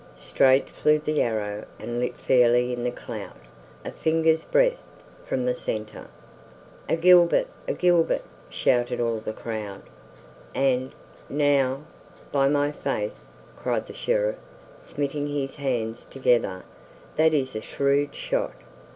Straight flew the arrow and lit fairly in the clout, a finger's breadth from the center. "A Gilbert, a Gilbert!" shouted all the crowd; and, "Now, by my faith," cried the Sheriff, smiting his hands together, "that is a shrewd shot."